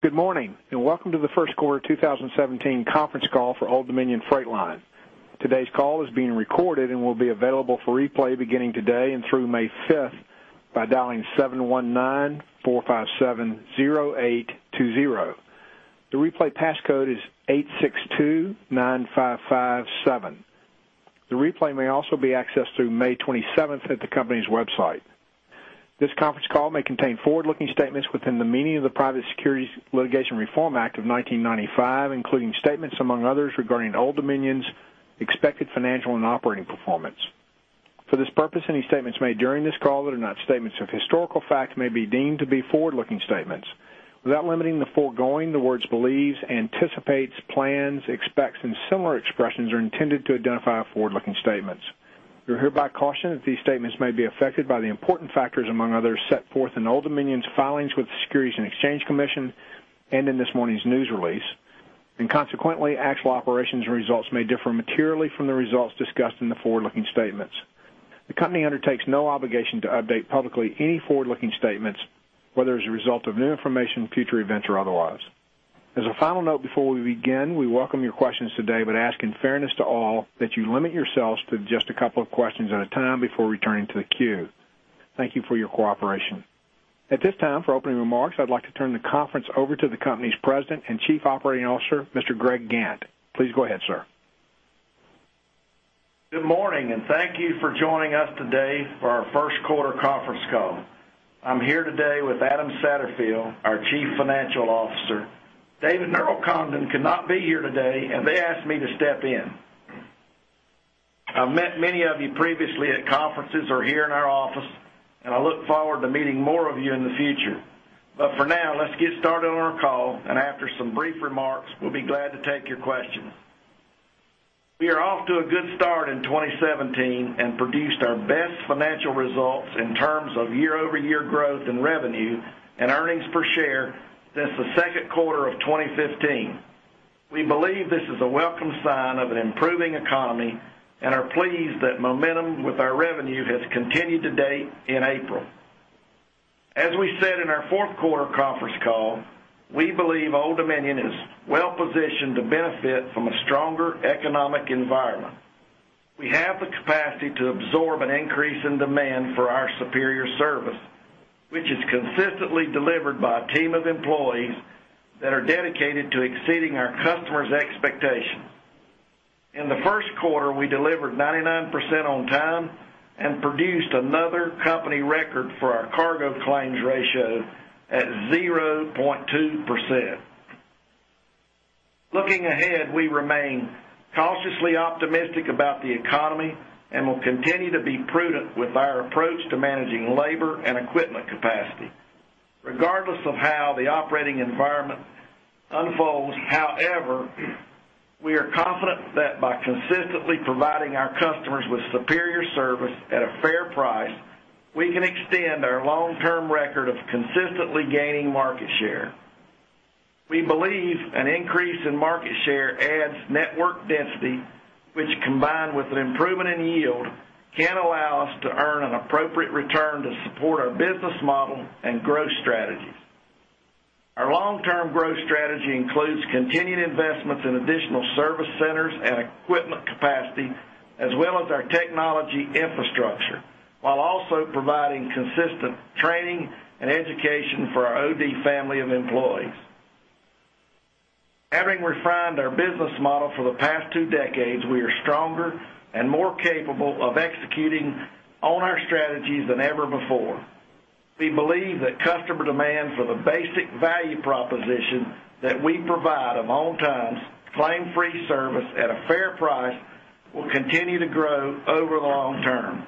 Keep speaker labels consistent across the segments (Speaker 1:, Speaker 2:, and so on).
Speaker 1: Good morning, and welcome to the first quarter 2017 conference call for Old Dominion Freight Line. Today's call is being recorded and will be available for replay beginning today and through May 5th by dialing 719-457-0820. The replay passcode is 8629557. The replay may also be accessed through May 27th at the company's website. This conference call may contain forward-looking statements within the meaning of the Private Securities Litigation Reform Act of 1995, including statements among others regarding Old Dominion's expected financial and operating performance. For this purpose, any statements made during this call that are not statements of historical fact may be deemed to be forward-looking statements. Without limiting the foregoing, the words believes, anticipates, plans, expects, and similar expressions are intended to identify forward-looking statements. You're hereby cautioned that these statements may be affected by the important factors, among others, set forth in Old Dominion's filings with the Securities and Exchange Commission and in this morning's news release. Consequently, actual operations results may differ materially from the results discussed in the forward-looking statements. The company undertakes no obligation to update publicly any forward-looking statements, whether as a result of new information, future events, or otherwise. As a final note, before we begin, we welcome your questions today, but ask in fairness to all, that you limit yourselves to just a couple of questions at a time before returning to the queue. Thank you for your cooperation. At this time, for opening remarks, I'd like to turn the conference over to the company's President and Chief Operating Officer, Mr. Greg Gantt. Please go ahead, sir.
Speaker 2: Good morning, and thank you for joining us today for our first quarter conference call. I'm here today with Adam Satterfield, our Chief Financial Officer. David Congdon cannot be here today, and they asked me to step in. I've met many of you previously at conferences or here in our office, and I look forward to meeting more of you in the future. For now, let's get started on our call, and after some brief remarks, we'll be glad to take your questions. We are off to a good start in 2017 and produced our best financial results in terms of year-over-year growth in revenue and earnings per share since the second quarter of 2015. We believe this is a welcome sign of an improving economy and are pleased that momentum with our revenue has continued to date in April. As we said in our fourth quarter conference call, we believe Old Dominion is well-positioned to benefit from a stronger economic environment. We have the capacity to absorb an increase in demand for our superior service, which is consistently delivered by a team of employees that are dedicated to exceeding our customers' expectations. In the first quarter, we delivered 99% on time and produced another company record for our cargo claims ratio at 0.2%. Looking ahead, we remain cautiously optimistic about the economy and will continue to be prudent with our approach to managing labor and equipment capacity. Regardless of how the operating environment unfolds, however, we are confident that by consistently providing our customers with superior service at a fair price, we can extend our long-term record of consistently gaining market share. We believe an increase in market share adds network density, which combined with an improvement in yield, can allow us to earn an appropriate return to support our business model and growth strategies. Our long-term growth strategy includes continued investments in additional service centers and equipment capacity, as well as our technology infrastructure, while also providing consistent training and education for our OD family of employees. Having refined our business model for the past two decades, we are stronger and more capable of executing on our strategies than ever before. We believe that customer demand for the basic value proposition that we provide of on-time, claim-free service at a fair price will continue to grow over the long term.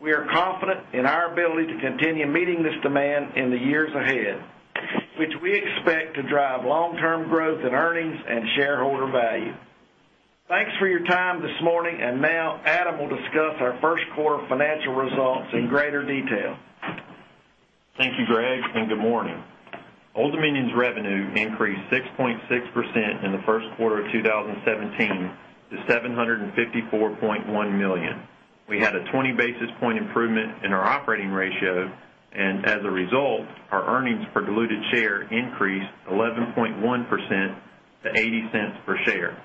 Speaker 2: We are confident in our ability to continue meeting this demand in the years ahead, which we expect to drive long-term growth in earnings and shareholder value. Thanks for your time this morning, and now Adam will discuss our first quarter financial results in greater detail.
Speaker 3: Thank you, Greg, and good morning. Old Dominion's revenue increased 6.6% in the first quarter of 2017 to $754.1 million. We had a 20-basis point improvement in our operating ratio, and as a result, our earnings per diluted share increased 11.1% to $0.80 per share.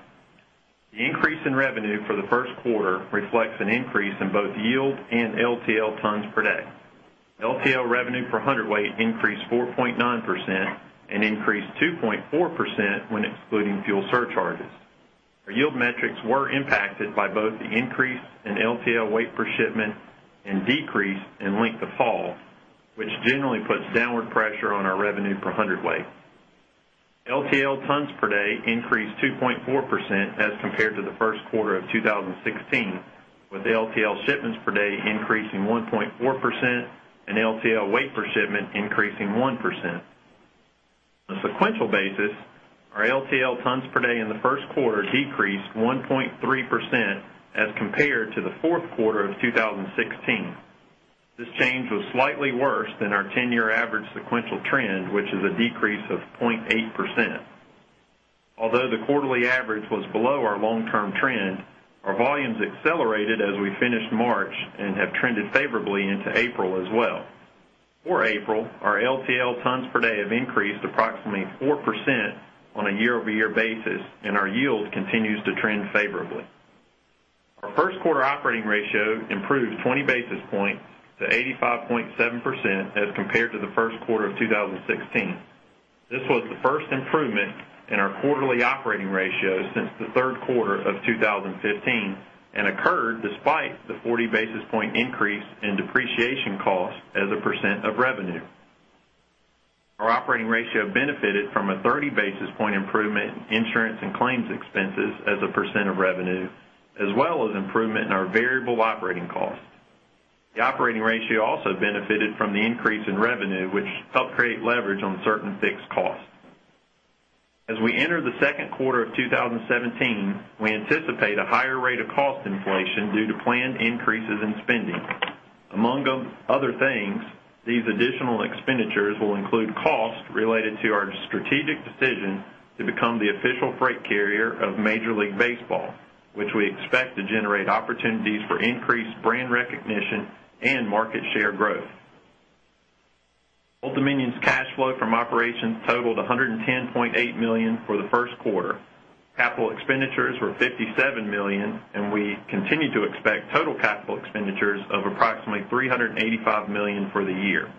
Speaker 3: The increase in revenue for the first quarter reflects an increase in both yield and LTL tons per day. LTL revenue per hundredweight increased 4.9% and increased 2.4% when excluding fuel surcharges. Our yield metrics were impacted by both the increase in LTL weight per shipment and decrease in length of haul, which generally puts downward pressure on our revenue per hundredweight. LTL tons per day increased 2.4% as compared to the first quarter of 2016, with LTL shipments per day increasing 1.4% and LTL weight per shipment increasing 1%. On a sequential basis, our LTL tons per day in the first quarter decreased 1.3% as compared to the fourth quarter of 2016. This change was slightly worse than our 10-year average sequential trend, which is a decrease of 0.8%. Although the quarterly average was below our long-term trend, our volumes accelerated as we finished March and have trended favorably into April as well. For April, our LTL tons per day have increased approximately 4% on a year-over-year basis, and our yield continues to trend favorably. Our first quarter operating ratio improved 20 basis points to 85.7% as compared to the first quarter of 2016. This was the first improvement in our quarterly operating ratio since the third quarter of 2015 and occurred despite the 40 basis point increase in depreciation costs as a percent of revenue. Our operating ratio benefited from a 30 basis point improvement in insurance and claims expenses as a percent of revenue, as well as improvement in our variable operating costs. The operating ratio also benefited from the increase in revenue, which helped create leverage on certain fixed costs. As we enter the second quarter of 2017, we anticipate a higher rate of cost inflation due to planned increases in spending. Among other things, these additional expenditures will include costs related to our strategic decision to become the official freight carrier of Major League Baseball, which we expect to generate opportunities for increased brand recognition and market share growth. Old Dominion's cash flow from operations totaled $110.8 million for the first quarter. Capital expenditures were $57 million, and we continue to expect total capital expenditures of approximately $385 million for the year.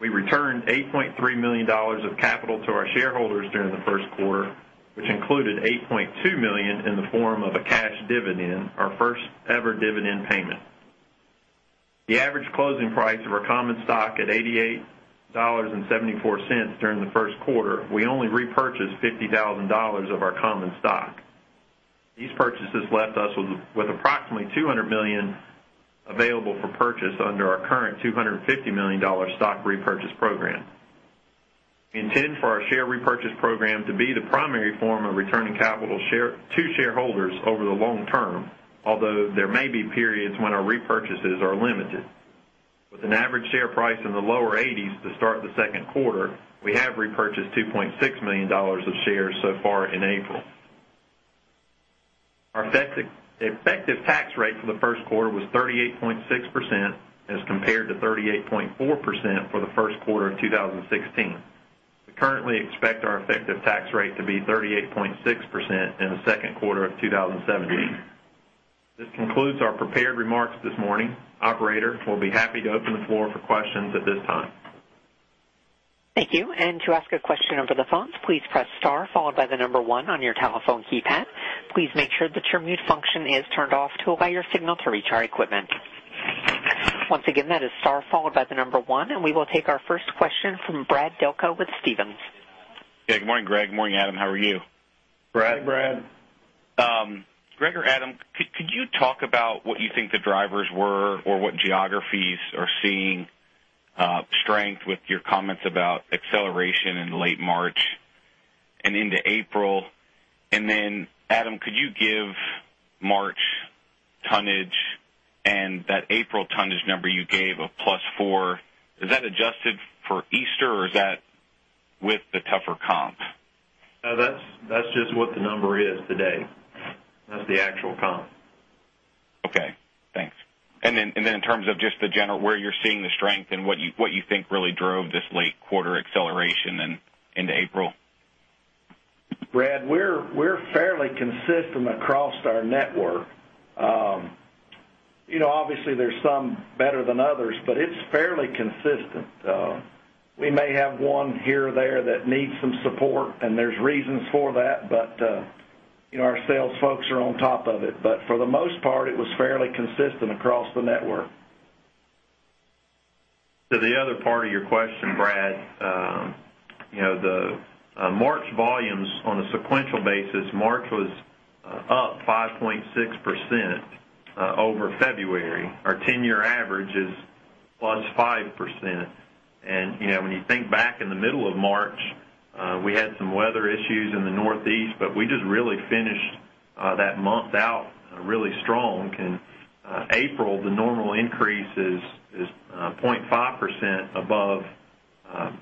Speaker 3: We returned $8.3 million of capital to our shareholders during the first quarter, which included $8.2 million in the form of a cash dividend, our first ever dividend payment. The average closing price of our common stock at $88.74 during the first quarter, we only repurchased $50,000 of our common stock. These purchases left us with approximately $200 million available for purchase under our current $250 million stock repurchase program. We intend for our share repurchase program to be the primary form of returning capital to shareholders over the long term, although there may be periods when our repurchases are limited. With an average share price in the lower 80s to start the second quarter, we have repurchased $2.6 million of shares so far in April. Our effective tax rate for the first quarter was 38.6% as compared to 38.4% for the first quarter of 2016. We currently expect our effective tax rate to be 38.6% in the second quarter of 2017. This concludes our prepared remarks this morning. Operator, we'll be happy to open the floor for questions at this time.
Speaker 1: Thank you. To ask a question over the phones, please press star followed by the number one on your telephone keypad. Please make sure that your mute function is turned off to allow your signal to reach our equipment. Once again, that is star followed by the number one, We will take our first question from Brad Delco with Stephens.
Speaker 4: Yeah. Good morning, Greg. Good morning, Adam. How are you?
Speaker 3: Brad.
Speaker 2: Hey, Brad.
Speaker 4: Greg or Adam, could you talk about what you think the drivers were or what geographies are seeing strength with your comments about acceleration in late March and into April? Adam, could you give March tonnage and that April tonnage number you gave of +4, is that adjusted for Easter, or is that with the tougher comp?
Speaker 3: No, that's just what the number is today. That's the actual comp.
Speaker 4: Okay, thanks. In terms of just the general, where you're seeing the strength and what you think really drove this late quarter acceleration and into April?
Speaker 2: Brad, we're fairly consistent across our network. Obviously, there's some better than others, but it's fairly consistent. We may have one here or there that needs some support, and there's reasons for that, but our sales folks are on top of it. For the most part, it was fairly consistent across the network.
Speaker 3: To the other part of your question, Brad. The March volumes on a sequential basis, March was up 5.6% over February. Our 10-year average is plus 5%. When you think back in the middle of March, we had some weather issues in the Northeast, but we just really finished that month out really strong. In April, the normal increase is 0.5% above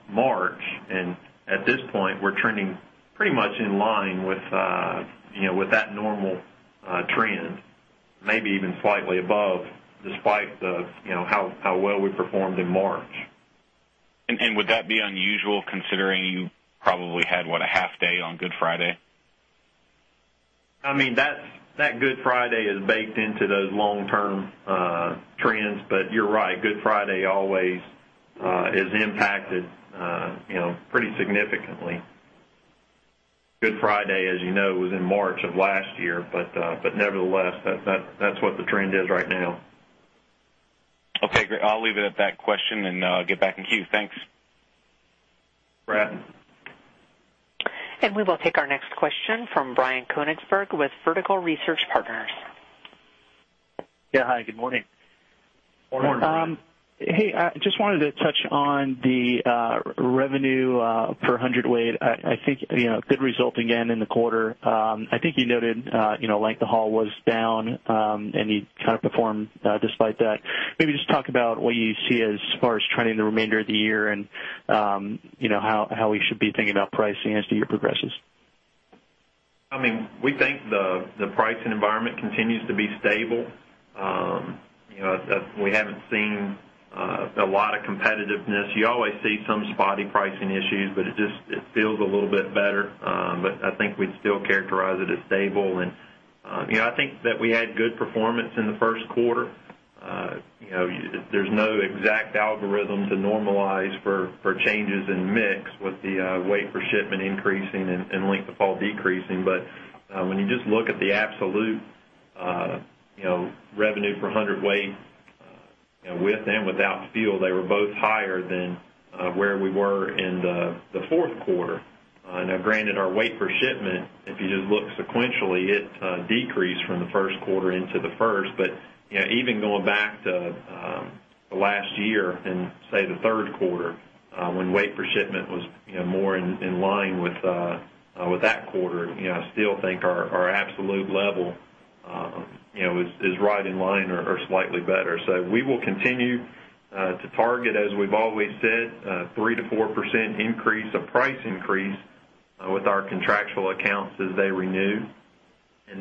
Speaker 3: March, and at this point, we're trending pretty much in line with that normal trend, maybe even slightly above, despite how well we performed in March.
Speaker 4: Would that be unusual considering you probably had, what, a half day on Good Friday?
Speaker 3: That Good Friday is baked into those long-term trends. You're right, Good Friday always is impacted pretty significantly. Good Friday, as you know, was in March of last year, nevertheless, that's what the trend is right now.
Speaker 4: Okay, great. I'll leave it at that question and get back in queue. Thanks.
Speaker 3: Brad.
Speaker 1: We will take our next question from Brian Konigsberg with Vertical Research Partners.
Speaker 5: Yeah. Hi, good morning.
Speaker 3: Morning.
Speaker 2: Morning.
Speaker 5: I just wanted to touch on the revenue per hundredweight. I think good result again in the quarter. I think you noted length of haul was down, and you performed despite that. Maybe just talk about what you see as far as trending the remainder of the year and how we should be thinking about pricing as the year progresses.
Speaker 3: We think the pricing environment continues to be stable. We haven't seen a lot of competitiveness. You always see some spotty pricing issues, but it feels a little bit better. I think we'd still characterize it as stable. I think that we had good performance in the first quarter. There's no exact algorithm to normalize for changes in mix with the weight per shipment increasing and length of haul decreasing. When you just look at the absolute revenue per hundredweight with and without fuel, they were both higher than where we were in the fourth quarter. Now granted, our weight per shipment, if you just look sequentially, it decreased from the first quarter into the fourth. Even going back to the last year in, say, the third quarter, when weight per shipment was more in line with that quarter, I still think our absolute level is right in line or slightly better. We will continue to target, as we've always said, 3%-4% increase of price increase with our contractual accounts as they renew.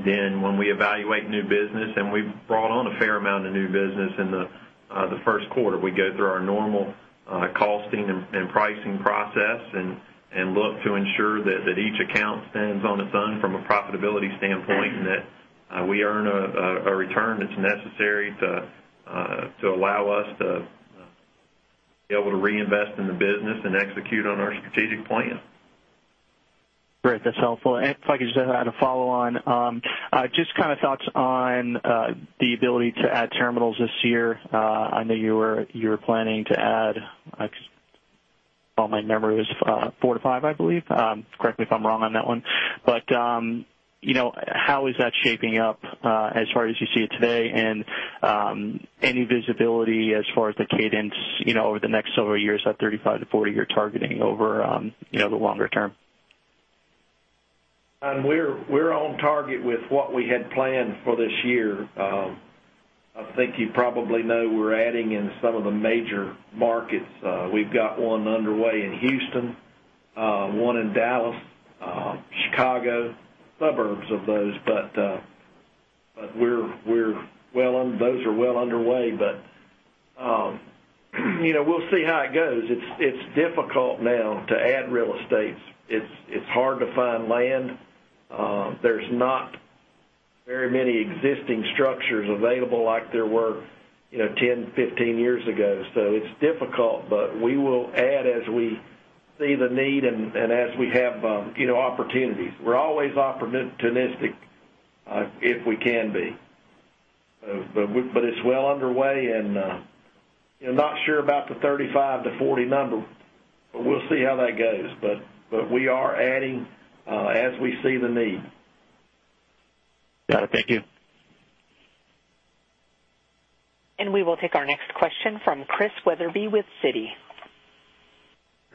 Speaker 3: When we evaluate new business, and we've brought on a fair amount of new business in the first quarter. We go through our normal costing and pricing process and look to ensure that each account stands on its own from a profitability standpoint and that we earn a return that's necessary to allow us to be able to reinvest in the business and execute on our strategic plan.
Speaker 5: Great. That's helpful. If I could just add a follow on. Just thoughts on the ability to add terminals this year. I know you were planning to add, if my memory is, 4 to 5, I believe. Correct me if I'm wrong on that one. How is that shaping up as far as you see it today? Any visibility as far as the cadence over the next several years, that 35 to 40 you're targeting over the longer term?
Speaker 2: We're on target with what we had planned for this year. I think you probably know we're adding in some of the major markets. We've got one underway in Houston, one in Dallas, Chicago, suburbs of those. Those are well underway. We'll see how it goes. It's difficult now to add real estates. It's hard to find land. There's not very many existing structures available like there were 10, 15 years ago. It's difficult, but we will add as we see the need and as we have opportunities. We're always opportunistic if we can be. It's well underway, and not sure about the 35 to 40 number, but we'll see how that goes. We are adding as we see the need.
Speaker 5: Got it. Thank you.
Speaker 1: We will take our next question from Christian Wetherbee with Citi.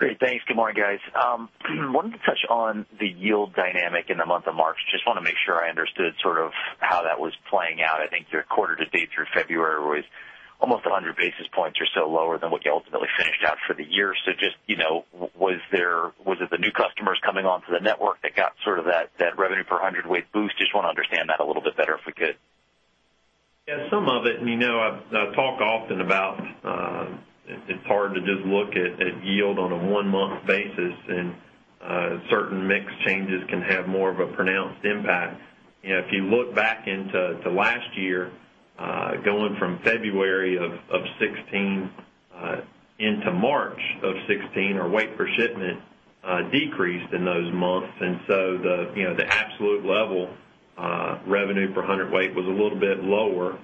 Speaker 6: Great. Thanks. Good morning, guys. Wanted to touch on the yield dynamic in the month of March. Just want to make sure I understood how that was playing out. I think your quarter to date through February was almost 100 basis points or so lower than what you ultimately finished out for the year. Just was it the new customers coming onto the network that got that revenue per hundredweight boost? Just want to understand that a little bit better if we could.
Speaker 3: Yeah, some of it. I've talked often about it's hard to just look at yield on a one-month basis, certain mix changes can have more of a pronounced impact. If you look back into last year going from February of 2016 into March of 2016, our weight per shipment decreased in those months. The absolute level revenue per hundredweight was a little bit lower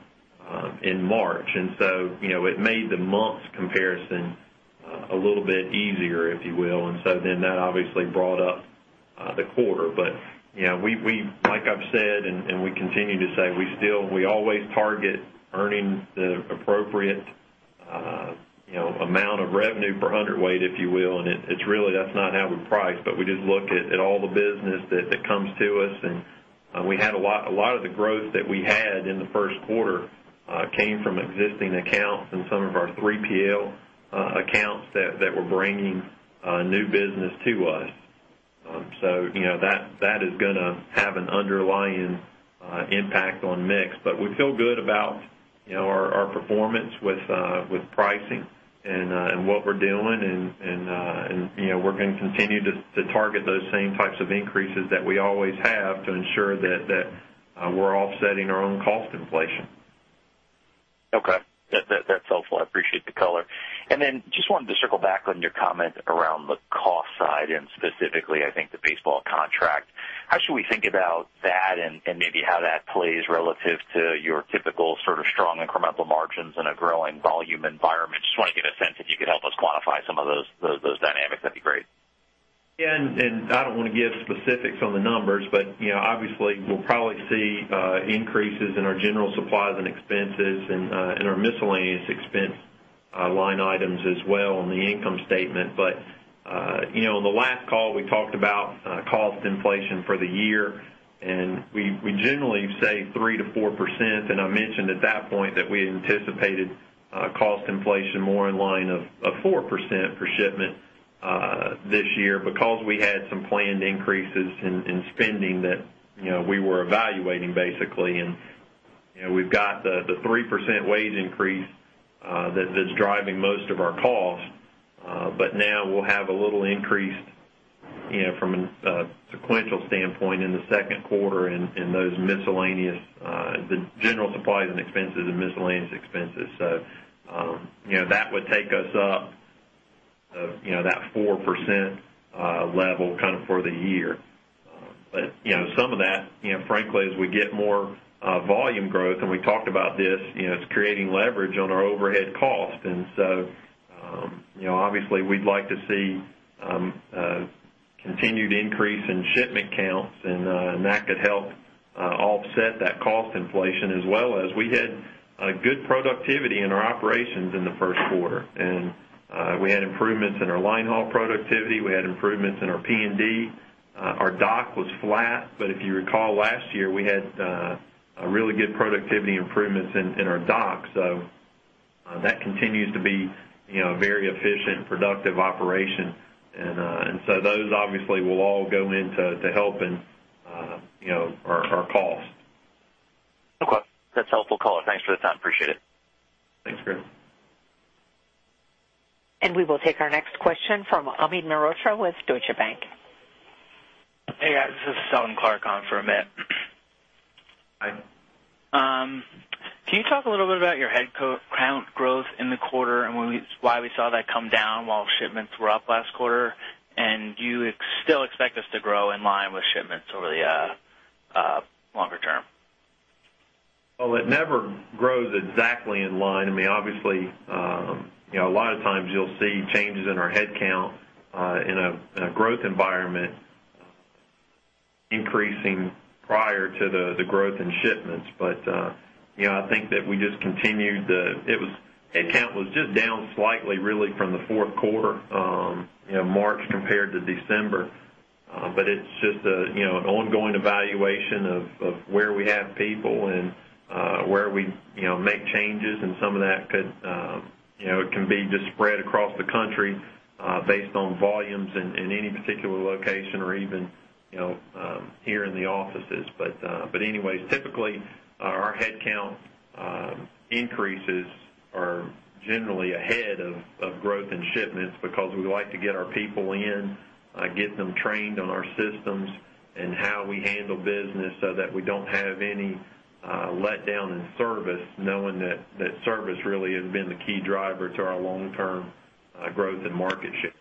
Speaker 3: in March. It made the month comparison a little bit easier, if you will. That obviously brought up the quarter. Like I've said, and we continue to say, we always target earnings that are appropriate amount of revenue per hundredweight, if you will. It's really that's not how we price, but we just look at all the business that comes to us. A lot of the growth that we had in the first quarter came from existing accounts and some of our 3PL accounts that were bringing new business to us. That is going to have an underlying impact on mix. We feel good about our performance with pricing and what we're doing. We're going to continue to target those same types of increases that we always have to ensure that we're offsetting our own cost inflation.
Speaker 6: Okay. That's helpful. I appreciate the color. Just wanted to circle back on your comment around the cost side and specifically, I think, the baseball contract. How should we think about that and maybe how that plays relative to your typical strong incremental margins in a growing volume environment? Just want to get a sense if you could help us quantify some of those dynamics, that'd be great.
Speaker 3: Yeah. I don't want to give specifics on the numbers, but obviously, we'll probably see increases in our general supplies and expenses and our miscellaneous expense line items as well on the income statement. On the last call, we talked about cost inflation for the year, and we generally say 3%-4%. I mentioned at that point that we anticipated cost inflation more in line of 4% per shipment. This year because we had some planned increases in spending that we were evaluating basically. We've got the 3% wage increase that's driving most of our cost. Now we'll have a little increase from a sequential standpoint in the second quarter in those miscellaneous, the general supplies and expenses and miscellaneous expenses. That would take us up that 4% level for the year. Some of that, frankly, as we get more volume growth, we talked about this, it's creating leverage on our overhead cost. Obviously we'd like to see a continued increase in shipment counts, and that could help offset that cost inflation as well as we had a good productivity in our operations in the first quarter. We had improvements in our line haul productivity. We had improvements in our P&D. Our dock was flat, but if you recall, last year we had a really good productivity improvements in our dock. That continues to be a very efficient, productive operation. Those obviously will all go into helping our cost.
Speaker 6: Okay. That's a helpful call. Thanks for the time. Appreciate it. Thanks, Greg.
Speaker 1: We will take our next question from Amit Mehrotra with Deutsche Bank.
Speaker 7: Hey, guys. This is Seldon Clarke on for Amit.
Speaker 3: Hi.
Speaker 7: Can you talk a little bit about your headcount growth in the quarter and why we saw that come down while shipments were up last quarter? Do you still expect this to grow in line with shipments over the longer term?
Speaker 3: Well, it never grows exactly in line. Obviously, a lot of times you'll see changes in our headcount in a growth environment increasing prior to the growth in shipments. I think that we just continued the headcount was just down slightly, really, from the fourth quarter, March compared to December. It's just an ongoing evaluation of where we have people and where we make changes and some of that can be just spread across the country based on volumes in any particular location or even here in the offices. Anyways, typically, our headcount increases are generally ahead of growth in shipments because we like to get our people in, get them trained on our systems and how we handle business so that we don't have any letdown in service knowing that service really has been the key driver to our long-term growth and market share.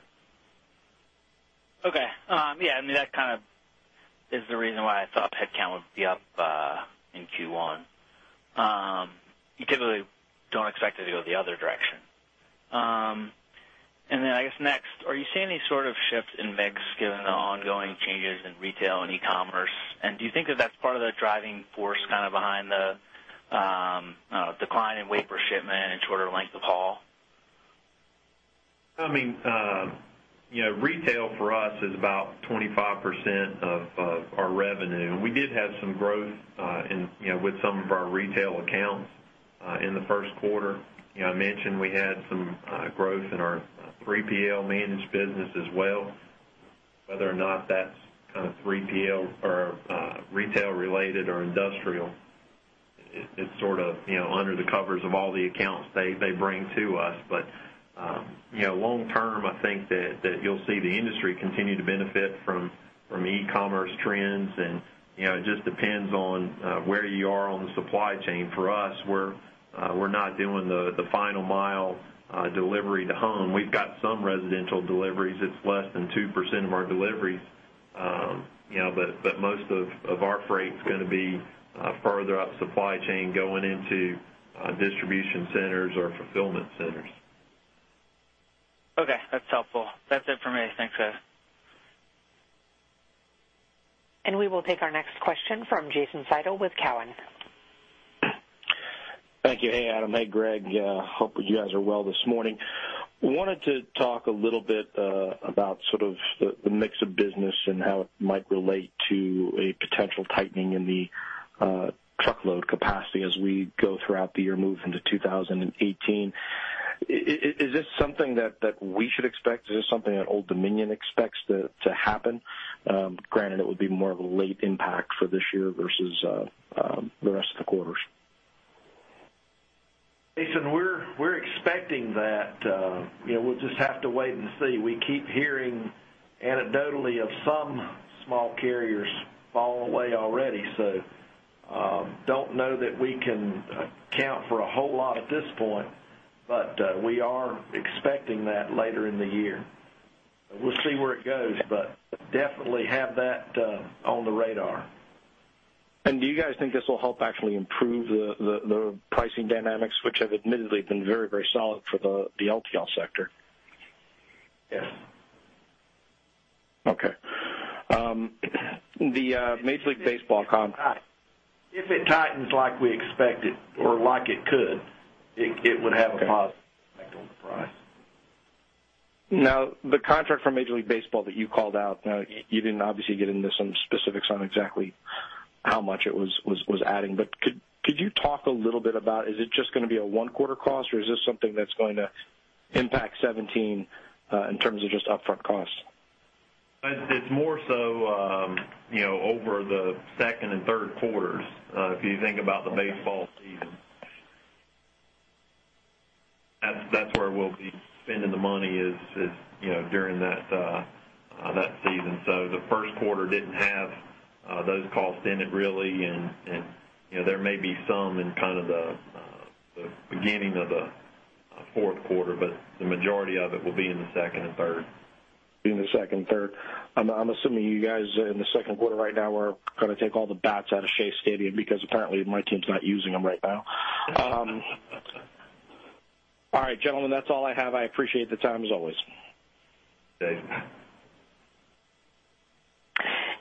Speaker 7: Okay. Yeah, that kind of is the reason why I thought headcount would be up in Q1. You typically don't expect it to go the other direction. Then I guess next, are you seeing any sort of shifts in mix given the ongoing changes in retail and e-commerce? Do you think that that's part of the driving force behind the decline in weight per shipment and shorter length of haul?
Speaker 3: Retail for us is about 25% of our revenue. We did have some growth with some of our retail accounts in the first quarter. I mentioned we had some growth in our 3PL managed business as well. Whether or not that's retail related or industrial, it's sort of under the covers of all the accounts they bring to us. Long term, I think that you'll see the industry continue to benefit from e-commerce trends and it just depends on where you are on the supply chain. For us, we're not doing the final mile delivery to home. We've got some residential deliveries. It's less than 2% of our deliveries. Most of our freight is going to be further up the supply chain going into distribution centers or fulfillment centers.
Speaker 7: Okay. That's helpful. That's it for me. Thanks, guys.
Speaker 1: We will take our next question from Jason Seidl with Cowen.
Speaker 8: Thank you. Hey, Adam. Hey, Greg. Hope you guys are well this morning. Wanted to talk a little bit about sort of the mix of business and how it might relate to a potential tightening in the truckload capacity as we go throughout the year, move into 2018. Is this something that we should expect? Is this something that Old Dominion expects to happen? Granted, it would be more of a late impact for this year versus the rest of the quarters.
Speaker 2: Jason, we're expecting that. We'll just have to wait and see. We keep hearing anecdotally of some small carriers fall away already. Don't know that we can account for a whole lot at this point, but we are expecting that later in the year. We'll see where it goes, definitely have that on the radar.
Speaker 8: Do you guys think this will help actually improve the pricing dynamics, which have admittedly been very, very solid for the LTL sector?
Speaker 2: Yes.
Speaker 8: Okay. The Major League Baseball.
Speaker 3: If it tightens like we expect it or like it could, it would have a positive effect on the price.
Speaker 8: The contract for Major League Baseball that you called out, you didn't obviously get into some specifics on exactly how much it was adding. Could you talk a little bit about, is it just going to be a one quarter cost or is this something that's going to impact 2017 in terms of just upfront costs?
Speaker 3: It's more so over the second and third quarters. If you think about the baseball season, that's where we'll be spending the money is during that season. The first quarter didn't have those costs in it, really. There may be some in the beginning of the fourth quarter, but the majority of it will be in the second and third.
Speaker 8: Be in the second and third. I'm assuming you guys in the second quarter right now are going to take all the bats out of Shea Stadium because apparently my team's not using them right now. All right, gentlemen, that's all I have. I appreciate the time as always.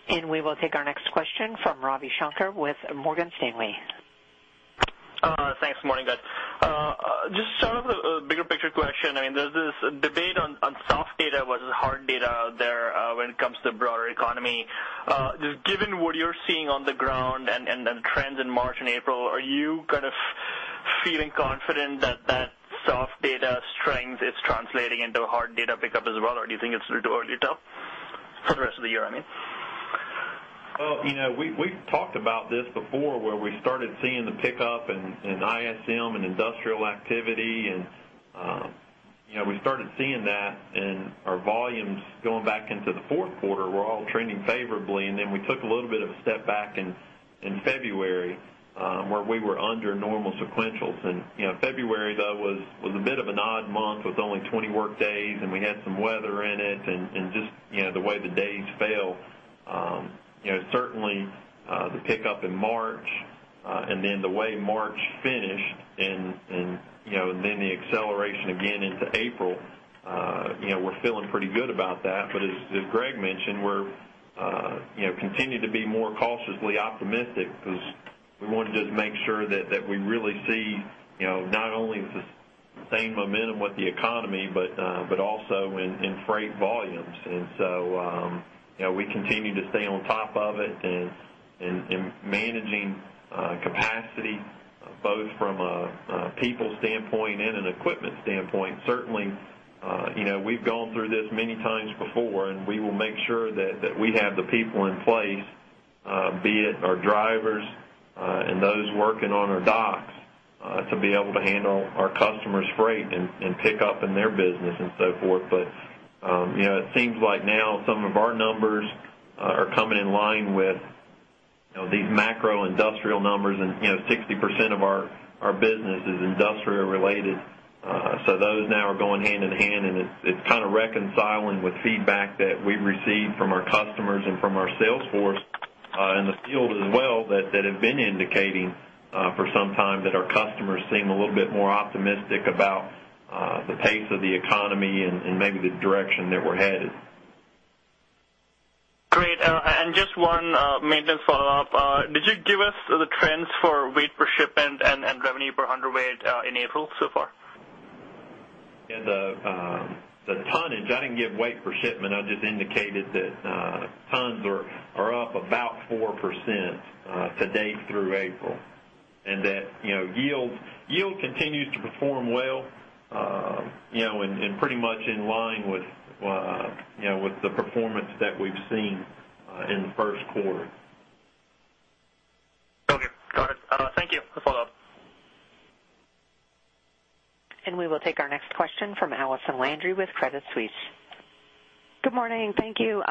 Speaker 3: Thanks.
Speaker 1: We will take our next question from Ravi Shanker with Morgan Stanley.
Speaker 9: Thanks. Morning, guys. Just sort of a bigger picture question. There's this debate on soft data versus hard data out there when it comes to the broader economy. Given what you're seeing on the ground and the trends in March and April, are you feeling confident that that soft data strength is translating into a hard data pickup as well? Or do you think it's too early to tell for the rest of the year, I mean?
Speaker 3: Well, we've talked about this before where we started seeing the pickup in ISM and industrial activity. We started seeing that in our volumes going back into the fourth quarter were all trending favorably. Then we took a little bit of a step back in February, where we were under normal sequentials. February, though, was a bit of an odd month with only 20 workdays, and we had some weather in it and just the way the days fell. Certainly, the pickup in March, the way March finished the acceleration again into April, we're feeling pretty good about that. As Greg mentioned, we continue to be more cautiously optimistic because we want to just make sure that we really see not only the same momentum with the economy but also in freight volumes. So, we continue to stay on top of it and managing capacity both from a people standpoint and an equipment standpoint. Certainly, we've gone through this many times before. We will make sure that we have the people in place, be it our drivers and those working on our docks, to be able to handle our customers' freight and pick up in their business and so forth. It seems like now some of our numbers are coming in line with these macro industrial numbers and 60% of our business is industrial related. Those now are going hand in hand, and it's kind of reconciling with feedback that we've received from our customers and from our sales force in the field as well that have been indicating for some time that our customers seem a little bit more optimistic about the pace of the economy and maybe the direction that we're headed.
Speaker 9: Great. Just one maintenance follow-up. Did you give us the trends for weight per shipment and revenue per hundredweight in April so far?
Speaker 3: Yeah. The tonnage, I didn't give weight per shipment. I just indicated that tons are up about 4% to date through April, and that yield continues to perform well and pretty much in line with the performance that we've seen in the first quarter.
Speaker 9: Okay, got it. Thank you. Follow up.
Speaker 1: We will take our next question from Allison Landry with Credit Suisse.
Speaker 10: Good morning. Thank you.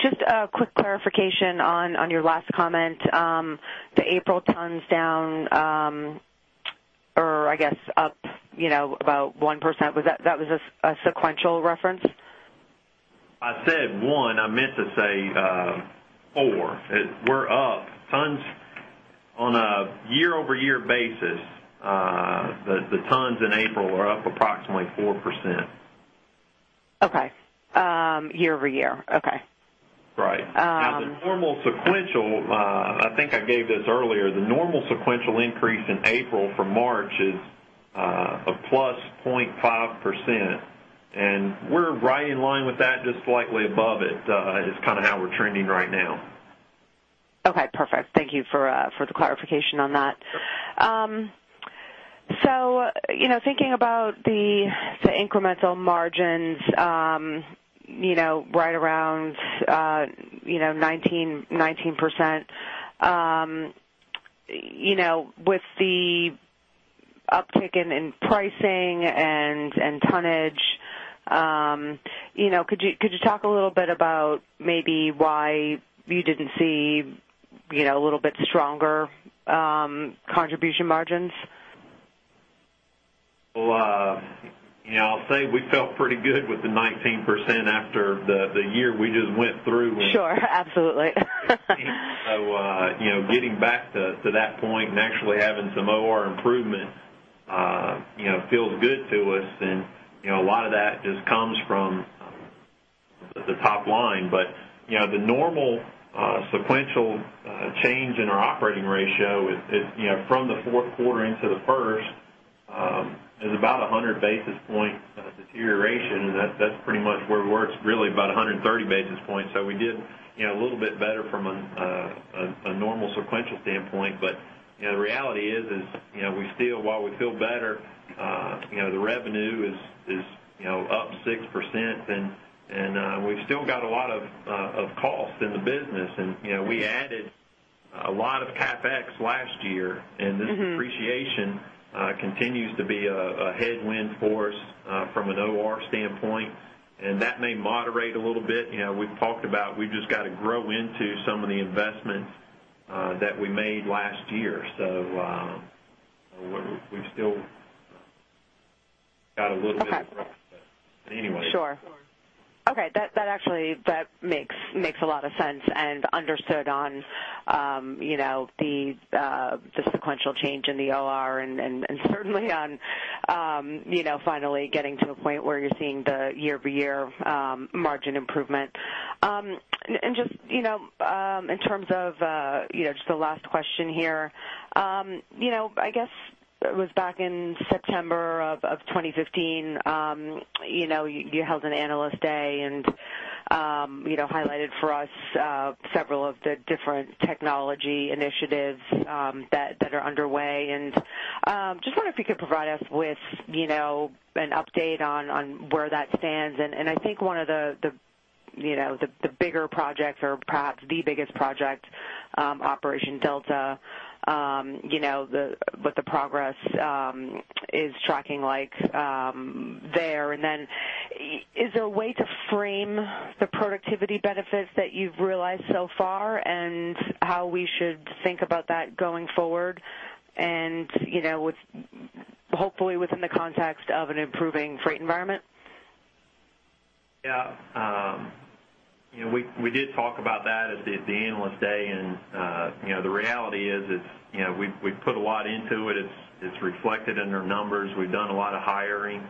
Speaker 10: Just a quick clarification on your last comment. The April tons down, or I guess up about 1%, that was a sequential reference?
Speaker 3: I said one, I meant to say four. We're up. Tons on a year-over-year basis, the tons in April are up approximately 4%.
Speaker 10: Okay. Year-over-year. Okay.
Speaker 3: Right. The normal sequential, I think I gave this earlier, the normal sequential increase in April from March is a plus 0.5%, and we're right in line with that, just slightly above it is how we're trending right now.
Speaker 10: Okay, perfect. Thank you for the clarification on that. Thinking about the incremental margins right around 19%, with the uptick in pricing and tonnage, could you talk a little bit about maybe why you didn't see a little bit stronger contribution margins?
Speaker 3: Well, I'll say we felt pretty good with the 19% after the year we just went through.
Speaker 10: Sure, absolutely.
Speaker 3: Getting back to that point and actually having some OR improvement feels good to us, and a lot of that just comes from the top line. The normal sequential change in our operating ratio from the fourth quarter into the first. There's about 100 basis point deterioration, and that's pretty much where we were. It's really about 130 basis points. We did a little bit better from a normal sequential standpoint. The reality is, while we feel better, the revenue is up 6%, and we've still got a lot of costs in the business. We added a lot of CapEx last year. This depreciation continues to be a headwind for us from an OR standpoint. That may moderate a little bit. We've talked about how we've just got to grow into some of the investments that we made last year. We've still got a little bit of growth.
Speaker 10: Sure. Okay. That actually makes a lot of sense. Understood on the sequential change in the OR, certainly on finally getting to a point where you're seeing the year-over-year margin improvement. Just in terms of just the last question here. I guess it was back in September of 2015, you held an Analyst Day and highlighted for us several of the different technology initiatives that are underway. Just wonder if you could provide us with an update on where that stands. I think one of the bigger projects, or perhaps the biggest project, Operation Delta, what the progress is tracking like there. Then is there a way to frame the productivity benefits that you've realized so far? How we should think about that going forward and hopefully within the context of an improving freight environment?
Speaker 3: Yeah. We did talk about that at the Analyst Day, the reality is we've put a lot into it. It's reflected in our numbers. We've done a lot of hiring.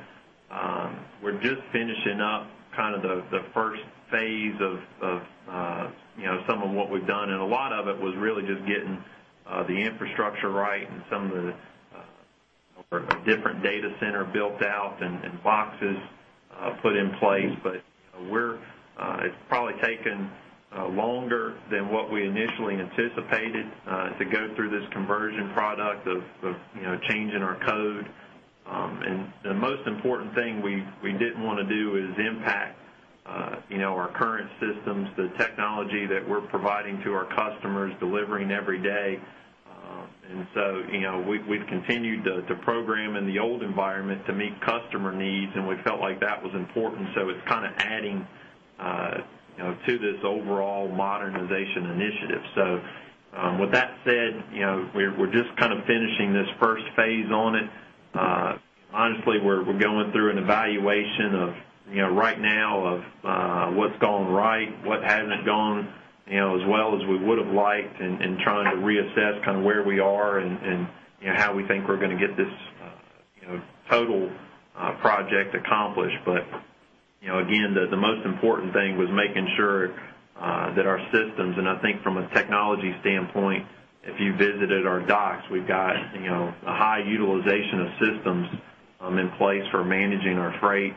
Speaker 3: We're just finishing up the first phase of some of what we've done, a lot of it was really just getting the infrastructure right and some of the different data center built out and boxes put in place. It's probably taken longer than what we initially anticipated to go through this conversion product of changing our code. The most important thing we didn't want to do is impact our current systems, the technology that we're providing to our customers, delivering every day. We've continued to program in the old environment to meet customer needs, we felt like that was important. It's kind of adding to this overall modernization initiative. With that said, we're just finishing this first phase on it. Honestly, we're going through an evaluation right now of what's gone right, what hasn't gone as well as we would have liked, trying to reassess where we are and how we think we're going to get this total project accomplished. Again, the most important thing was making sure that our systems, I think from a technology standpoint, if you visited our docks, we've got a high utilization of systems in place for managing our freight.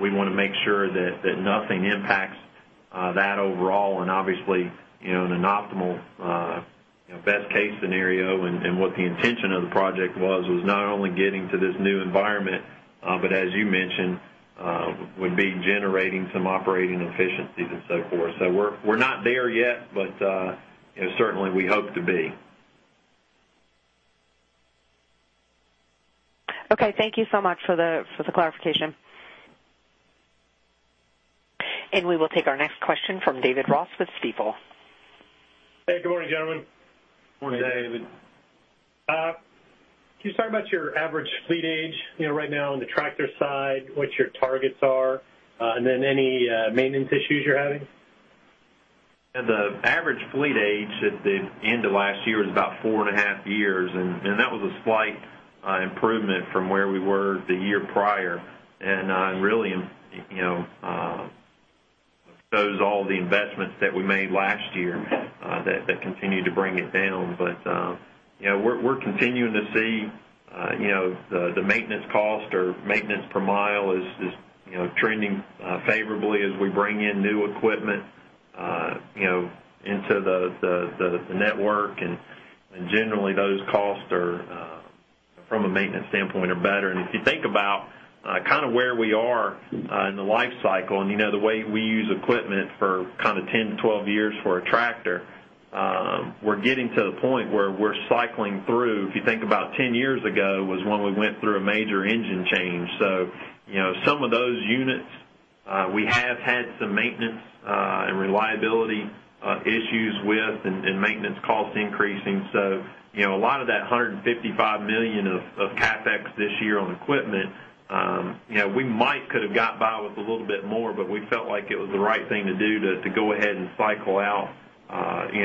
Speaker 3: We want to make sure that nothing impacts that overall. Obviously, in an optimal best case scenario, what the intention of the project was not only getting to this new environment, but as you mentioned, would be generating some operating efficiencies and so forth. We're not there yet, but certainly we hope to be.
Speaker 1: Okay. Thank you so much for the clarification. We will take our next question from David Ross with Stifel.
Speaker 11: Hey, good morning, gentlemen.
Speaker 3: Morning, David.
Speaker 2: Morning.
Speaker 11: Can you talk about your average fleet age right now on the tractor side, what your targets are, and then any maintenance issues you're having?
Speaker 3: The average fleet age at the end of last year was about four and a half years, that was a slight improvement from where we were the year prior. Really, those are all the investments that we made last year that continued to bring it down. We're continuing to see the maintenance cost or maintenance per mile is trending favorably as we bring in new equipment into the network. Generally, those costs, from a maintenance standpoint, are better. If you think about where we are in the life cycle and the way we use equipment for 10 to 12 years for a tractor, we're getting to the point where we're cycling through. If you think about 10 years ago was when we went through a major engine change. Some of those units, we have had some maintenance and reliability issues with and maintenance costs increasing. A lot of that $155 million of CapEx this year on equipment, we might could have got by with a little bit more, but we felt like it was the right thing to do to go ahead and cycle out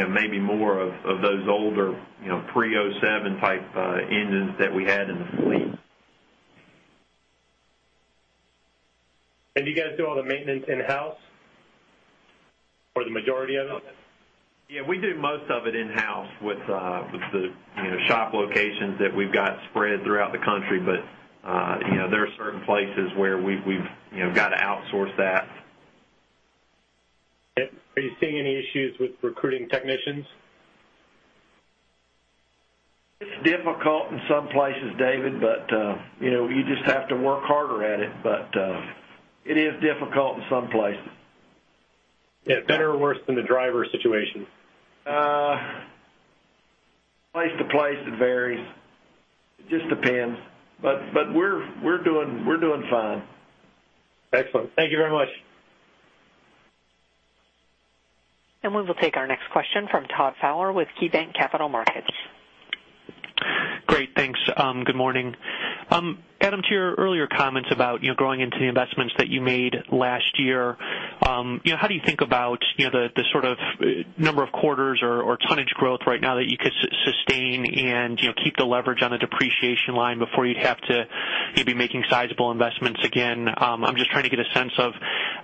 Speaker 3: maybe more of those older pre-2007 type engines that we had in the fleet
Speaker 11: Do you guys do all the maintenance in-house or the majority of it?
Speaker 3: Yeah, we do most of it in-house with the shop locations that we've got spread throughout the country. There are certain places where we've got to outsource that.
Speaker 11: Are you seeing any issues with recruiting technicians?
Speaker 3: It's difficult in some places, David, but you just have to work harder at it. It is difficult in some places.
Speaker 11: Is it better or worse than the driver situation?
Speaker 3: Place to place, it varies. It just depends. We're doing fine.
Speaker 11: Excellent. Thank you very much.
Speaker 1: We will take our next question from Todd Fowler with KeyBanc Capital Markets.
Speaker 12: Great. Thanks. Good morning. Adam, to your earlier comments about growing into the investments that you made last year, how do you think about the number of quarters or tonnage growth right now that you could sustain and keep the leverage on the depreciation line before you have to be making sizable investments again? I'm just trying to get a sense of.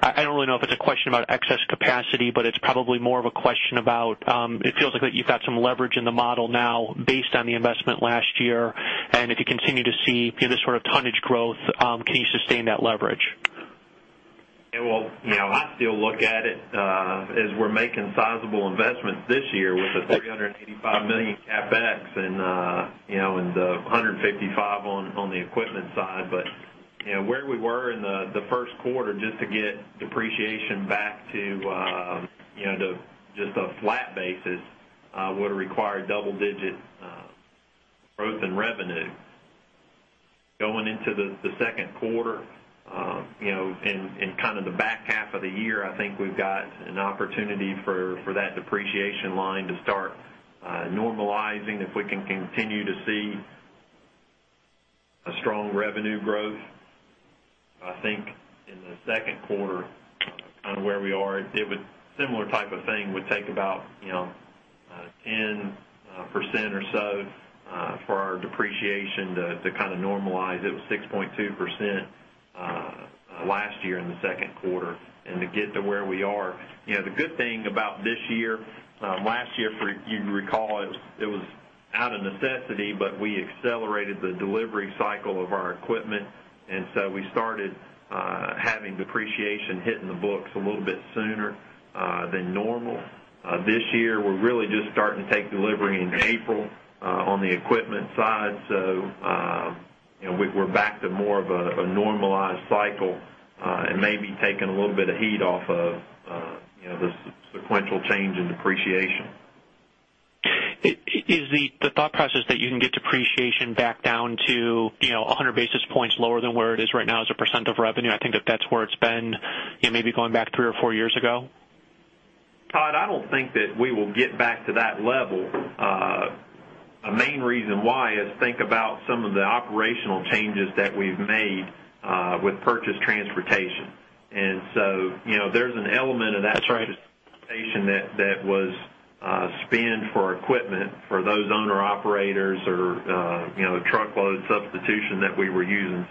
Speaker 12: I don't really know if it's a question about excess capacity, but it's probably more of a question about, it feels like that you've got some leverage in the model now based on the investment last year. If you continue to see this sort of tonnage growth, can you sustain that leverage?
Speaker 3: I still look at it as we're making sizable investments this year with the $385 million CapEx and the $155 on the equipment side. Where we were in the first quarter, just to get depreciation back to just a flat basis, would require double-digit growth in revenue. Going into the second quarter, and the back half of the year, I think we've got an opportunity for that depreciation line to start normalizing if we can continue to see a strong revenue growth. I think in the second quarter, where we are, a similar type of thing would take about 10% or so for our depreciation to normalize. It was 6.2% last year in the second quarter. To get to where we are. The good thing about this year, last year, if you recall, it was out of necessity, but we accelerated the delivery cycle of our equipment. We started having depreciation hit in the books a little bit sooner than normal. This year, we're really just starting to take delivery in April on the equipment side. We're back to more of a normalized cycle, and maybe taking a little bit of heat off of the sequential change in depreciation.
Speaker 12: Is the thought process that you can get depreciation back down to 100 basis points lower than where it is right now as a % of revenue? I think that that's where it's been, maybe going back three or four years ago.
Speaker 3: Todd, I don't think that we will get back to that level. A main reason why is think about some of the operational changes that we've made with purchase transportation. There's an element of that.
Speaker 12: That's right.
Speaker 3: transportation that was spent for equipment for those owner-operators or truckload substitution that we were using.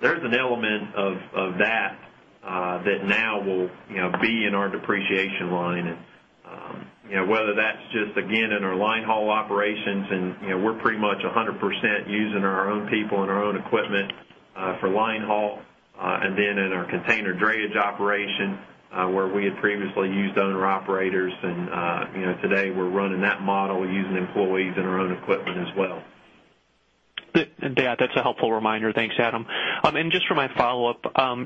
Speaker 3: There's an element of that that now will be in our depreciation line. Whether that's just, again, in our line haul operations, and we're pretty much 100% using our own people and our own equipment for line haul. Then in our container drayage operation, where we had previously used owner-operators, and today we're running that model using employees and our own equipment as well.
Speaker 12: Yeah. That's a helpful reminder. Thanks, Adam. Just for my follow-up,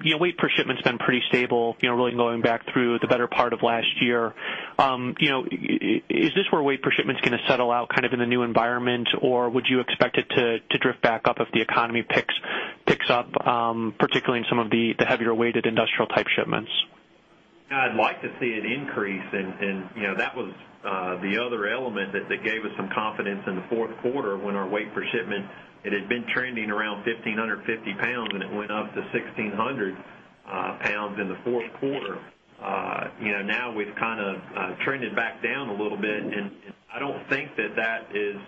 Speaker 12: weight per shipment's been pretty stable, really going back through the better part of last year. Is this where weight per shipment is going to settle out in the new environment? Or would you expect it to drift back up if the economy picks up, particularly in some of the heavier weighted industrial type shipments?
Speaker 3: I'd like to see it increase. That was the other element that gave us some confidence in the fourth quarter when our weight per shipment had been trending around 1,550 pounds, and it went up to 1,600 pounds in the fourth quarter. Now we've trended back down a little bit, and I don't think that that is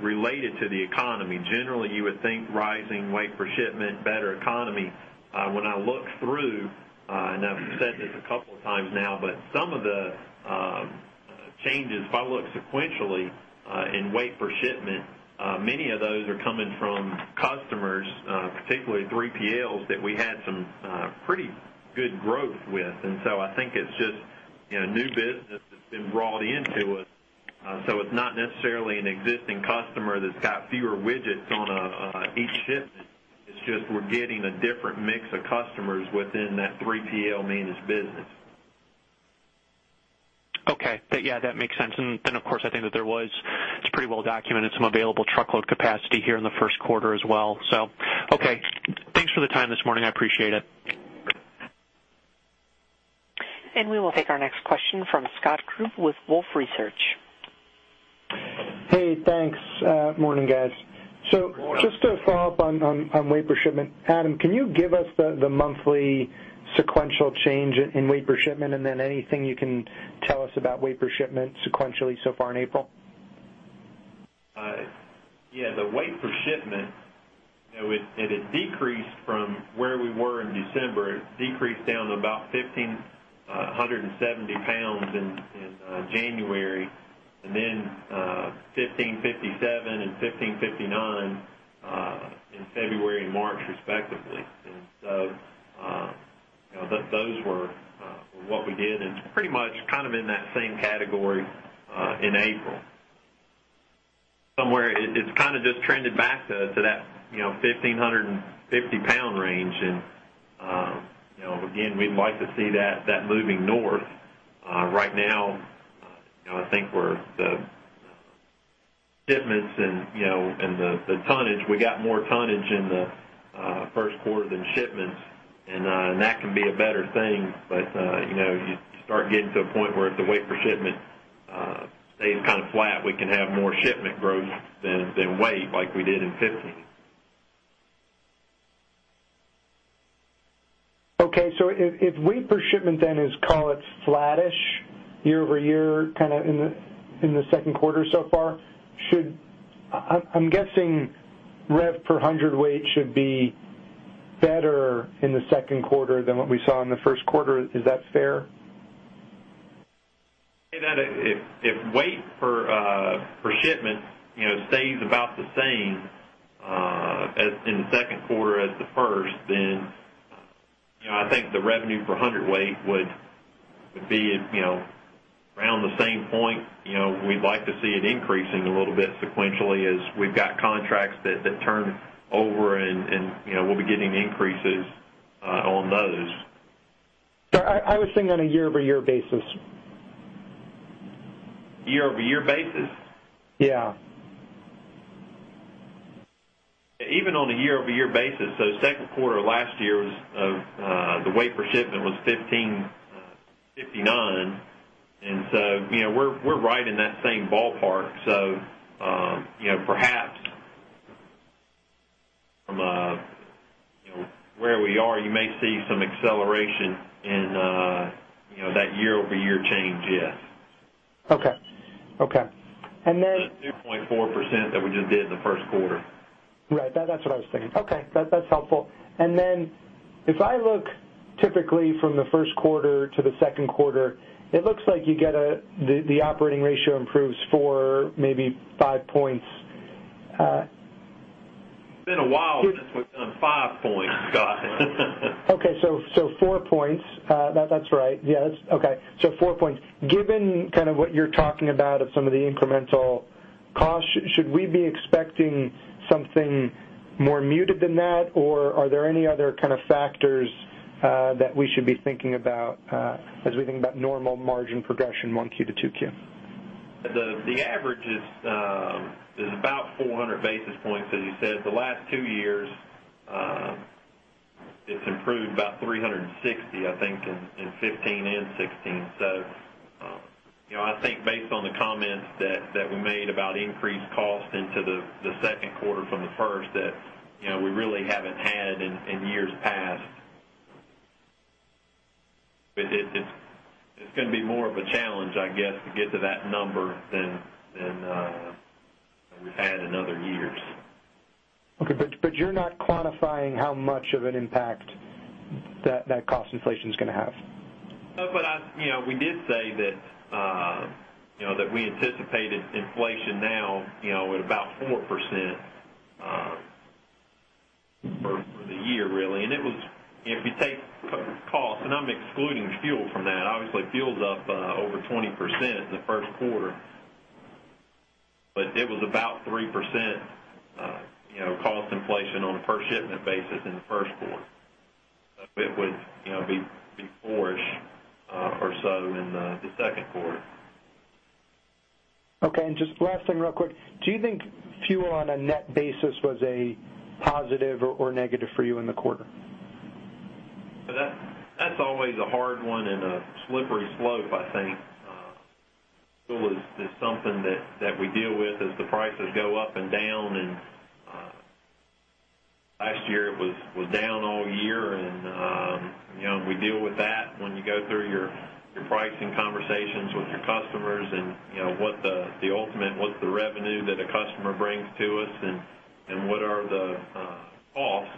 Speaker 3: related to the economy. Generally, you would think rising weight per shipment, better economy. When I look through, and I've said this a couple of times now, but some of the changes, if I look sequentially in weight per shipment, many of those are coming from customers, particularly 3PLs, that we had some pretty good growth with. I think it's just new business that's been brought into us. It's not necessarily an existing customer that's got fewer widgets on each shipment. It's just we're getting a different mix of customers within that 3PL managed business.
Speaker 12: Okay. Yeah, that makes sense. Of course, I think that it's pretty well documented, some available truckload capacity here in the first quarter as well. Okay. Thanks for the time this morning. I appreciate it.
Speaker 1: We will take our next question from Scott Group with Wolfe Research.
Speaker 13: Hey, thanks. Morning, guys.
Speaker 3: Morning.
Speaker 13: Just to follow up on weight per shipment. Adam, can you give us the monthly sequential change in weight per shipment? Anything you can tell us about weight per shipment sequentially so far in April?
Speaker 3: Yeah, the weight per shipment. It decreased from where we were in December. It decreased down to about 1,570 pounds in January, then 1,557 and 1,559 in February and March respectively. Those were what we did, and it's pretty much in that same category in April. Somewhere it's just trended back to that 1,550 pound range. Again, we'd like to see that moving north. Right now, I think the shipments and the tonnage, we got more tonnage in the first quarter than shipments, and that can be a better thing. You start getting to a point where if the weight per shipment stays flat, we can have more shipment growth than weight like we did in 2015.
Speaker 13: Okay. If weight per shipment then is, call it flattish year-over-year in the second quarter so far, I'm guessing revenue per hundredweight should be better in the second quarter than what we saw in the first quarter. Is that fair?
Speaker 3: If weight per shipment stays about the same in the second quarter as the first, I think the revenue per hundredweight would be around the same point. We'd like to see it increasing a little bit sequentially as we've got contracts that turn over, we'll be getting increases on those.
Speaker 13: I was thinking on a year-over-year basis.
Speaker 3: Year-over-year basis?
Speaker 13: Yeah.
Speaker 3: Even on a year-over-year basis, second quarter last year, the weight per shipment was 1,559. We're right in that same ballpark. Perhaps from where we are, you may see some acceleration in that year-over-year change, yes.
Speaker 13: Okay.
Speaker 3: The 2.4% that we just did in the first quarter.
Speaker 13: Right. That's what I was thinking. Okay. That's helpful. If I look typically from the first quarter to the second quarter, it looks like the operating ratio improves four, maybe five points.
Speaker 3: It's been a while since we've done five points, Scott.
Speaker 13: Okay. Four points. That's right. Yeah. Okay. Four points. Given what you're talking about of some of the incremental costs, should we be expecting something more muted than that? Or are there any other factors that we should be thinking about as we think about normal margin progression one Q to two Q?
Speaker 3: The average is about 400 basis points, as you said. The last two years, it's improved about 360, I think, in 2015 and 2016. I think based on the comments that we made about increased cost into the second quarter from the first that we really haven't had in years past. It's going to be more of a challenge, I guess, to get to that number than we've had in other years.
Speaker 13: Okay. You're not quantifying how much of an impact that cost inflation is going to have?
Speaker 3: No. We did say that we anticipated inflation now at about 4% for the year, really. If you take cost, and I'm excluding fuel from that, obviously fuel's up over 20% in the first quarter. It was about 3% cost inflation on a per shipment basis in the first quarter. It would be four-ish or so in the second quarter.
Speaker 13: Okay. Just last thing real quick. Do you think fuel on a net basis was a positive or negative for you in the quarter?
Speaker 3: That's always a hard one and a slippery slope, I think. Fuel is something that we deal with as the prices go up and down. Last year it was down all year, and we deal with that when you go through your pricing conversations with your customers and what's the revenue that a customer brings to us and what are the costs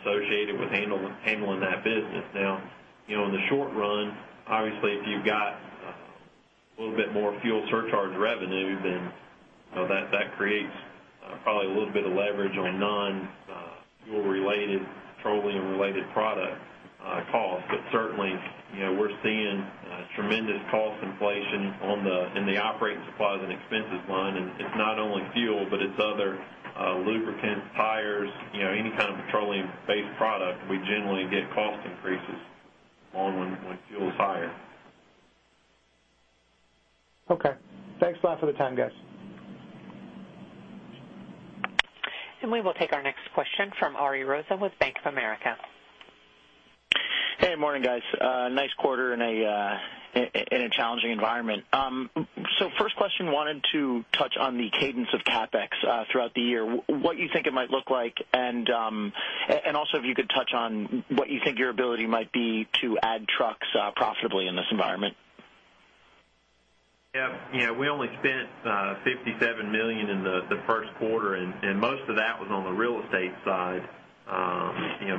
Speaker 3: associated with handling that business. Now, in the short run, obviously, if you've got a little bit more fuel surcharge revenue, then that creates probably a little bit of leverage on non-fuel related, petroleum related product cost. Certainly, we're seeing tremendous cost inflation in the operating supplies and expenses line. It's not only fuel, but it's other lubricants, tires, any kind of petroleum-based product. We generally get cost increases along when fuel is higher.
Speaker 13: Okay. Thanks a lot for the time, guys.
Speaker 1: We will take our next question from Ariel Rosa with Bank of America.
Speaker 14: Hey, morning guys. Nice quarter in a challenging environment. First question, wanted to touch on the cadence of CapEx throughout the year. What you think it might look like, and also if you could touch on what you think your ability might be to add trucks profitably in this environment?
Speaker 3: Yeah. We only spent $57 million in the first quarter, and most of that was on the real estate side.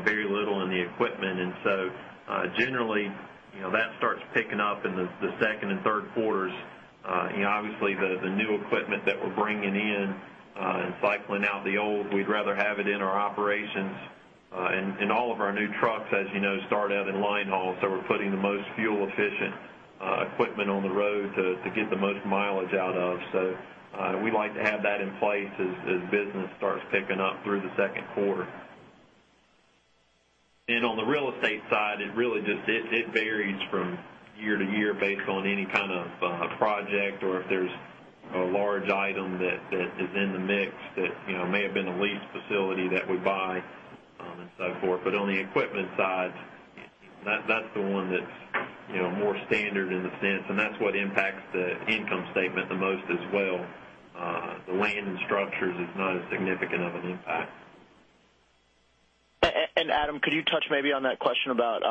Speaker 3: Very little in the equipment. Generally, that starts picking up in the second and third quarters. Obviously, the new equipment that we're bringing in and cycling out the old, we'd rather have it in our operations. All of our new trucks, as you know, start out in line haul, so we're putting the most fuel-efficient equipment on the road to get the most mileage out of. We like to have that in place as business starts picking up through the second quarter. On the real estate side, it varies from year to year based on any kind of project or if there's a large item that is in the mix that may have been a lease facility that we buy, and so forth. On the equipment side, that's the one that's more standard in the sense, and that's what impacts the income statement the most as well. The land and structures is not as significant of an impact.
Speaker 14: Adam, could you touch maybe on that question about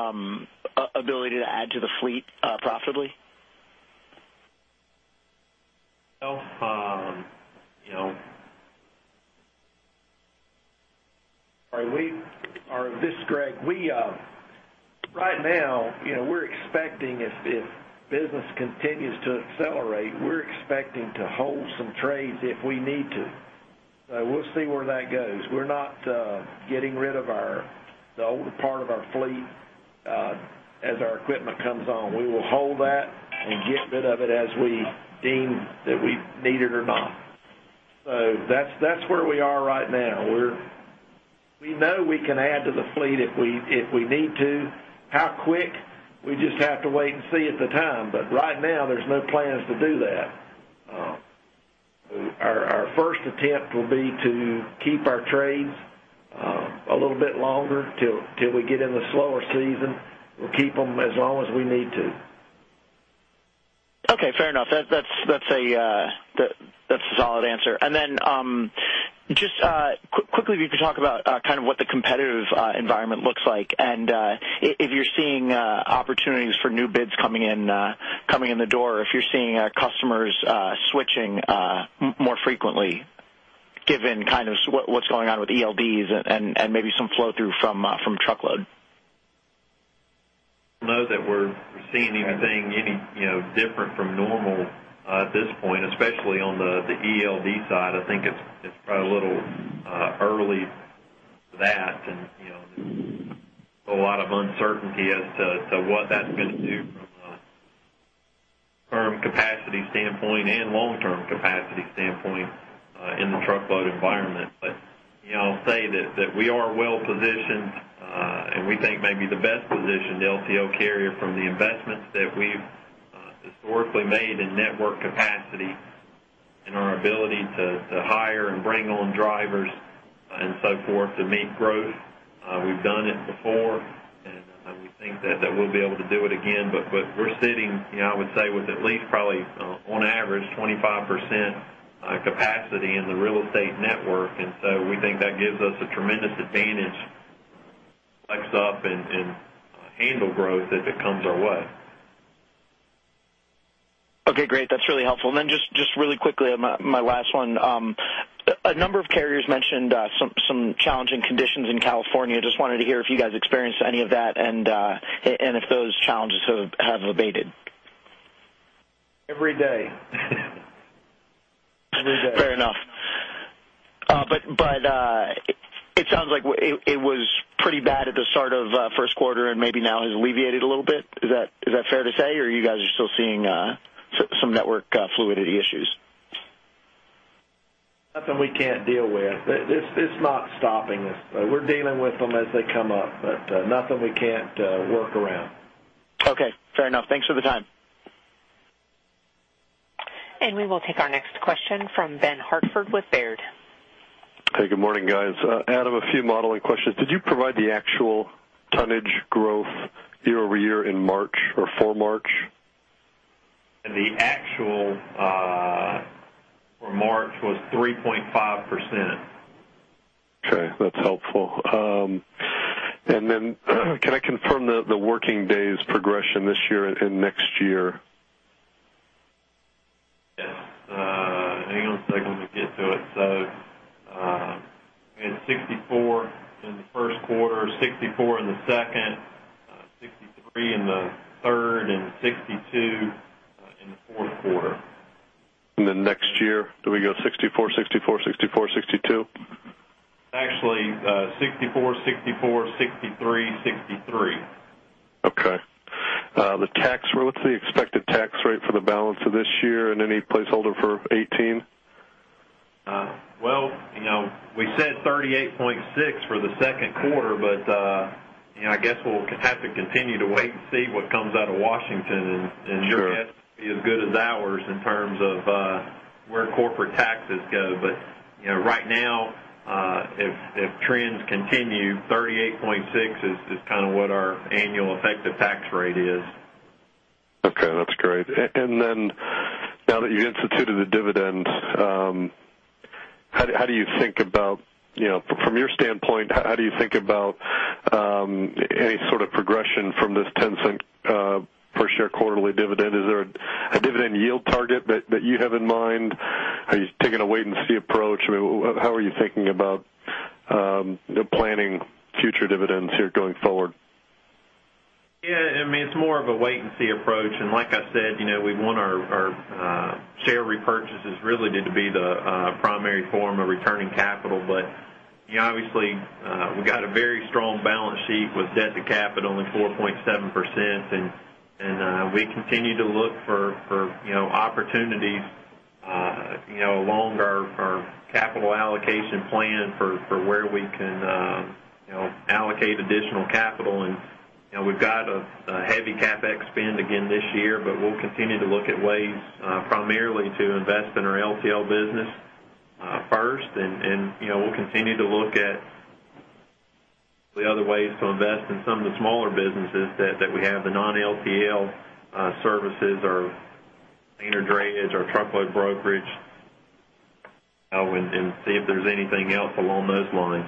Speaker 14: ability to add to the fleet profitably?
Speaker 3: Well.
Speaker 2: This is Greg. Right now, if business continues to accelerate, we're expecting to hold some trades if we need to. We'll see where that goes. We're not getting rid of the older part of our fleet as our equipment comes on. We will hold that and get rid of it as we deem that we need it or not. That's where we are right now. We know we can add to the fleet if we need to. How quick? We just have to wait and see at the time. Right now, there's no plans to do that. Our first attempt will be to keep our trades a little bit longer till we get in the slower season. We'll keep them as long as we need to.
Speaker 14: Fair enough. That's a solid answer. Just quickly, if you could talk about what the competitive environment looks like and if you're seeing opportunities for new bids coming in the door, or if you're seeing customers switching more frequently, given what's going on with ELDs and maybe some flow-through from truckload.
Speaker 3: Know that we're seeing anything different from normal at this point, especially on the ELD side. I think it's probably a little early for that, there's a lot of uncertainty as to what that's going to do from a firm capacity standpoint and long-term capacity standpoint in the truckload environment. I'll say that we are well-positioned, we think maybe the best positioned LTL carrier from the investments that we've historically made in network capacity and our ability to hire and bring on drivers and so forth to meet growth. We've done it before, we think that we'll be able to do it again. We're sitting, I would say, with at least probably on average, 25% capacity in the real estate network, we think that gives us a tremendous advantage, flex up and handle growth as it comes our way.
Speaker 14: Okay, great. That's really helpful. Just really quickly, my last one. A number of carriers mentioned some challenging conditions in California. Just wanted to hear if you guys experienced any of that and if those challenges have abated.
Speaker 2: Every day. Every day.
Speaker 14: Fair enough. It sounds like it was pretty bad at the start of first quarter and maybe now has alleviated a little bit. Is that fair to say, or you guys are still seeing some network fluidity issues?
Speaker 2: Nothing we can't deal with. It's not stopping us. We're dealing with them as they come up, but nothing we can't work around.
Speaker 14: Okay, fair enough. Thanks for the time.
Speaker 1: We will take our next question from Benjamin Hartford with Baird.
Speaker 15: Hey, good morning, guys. Adam, a few modeling questions. Did you provide the actual tonnage growth year-over-year in March or for March?
Speaker 3: The actual for March was 3.5%.
Speaker 15: Okay, that's helpful. Can I confirm the working days progression this year and next year?
Speaker 3: Yes. Hang on a second. Let me get to it. We had 64 in the first quarter, 64 in the second, 63 in the third, and 62 in the fourth quarter.
Speaker 15: Next year, do we go 64, 64, 62?
Speaker 3: Actually, 64, 63.
Speaker 15: Okay. What's the expected tax rate for the balance of this year and any placeholder for 2018?
Speaker 3: Well, we said 38.6 for the second quarter, but I guess we'll have to continue to wait and see what comes out of Washington.
Speaker 15: Sure
Speaker 3: Your guess will be as good as ours in terms of where corporate taxes go. Right now, if trends continue, 38.6 is what our annual effective tax rate is.
Speaker 15: Okay, that's great. Now that you instituted the dividend, how do you think about, from your standpoint, any sort of progression from this $0.10 per share quarterly dividend? Is there a dividend yield target that you have in mind? Are you taking a wait and see approach? How are you thinking about planning future dividends here going forward?
Speaker 3: Yeah. It's more of a wait and see approach. Like I said, we want our share repurchases really to be the primary form of returning capital. Obviously, we've got a very strong balance sheet with debt to capital only 4.7%, and we continue to look for opportunities along our capital allocation plan for where we can allocate additional capital. We've got a heavy CapEx spend again this year, but we'll continue to look at ways primarily to invest in our LTL business first, and we'll continue to look at the other ways to invest in some of the smaller businesses that we have, the non-LTL services, our drayage, our truckload brokerage, and see if there's anything else along those lines.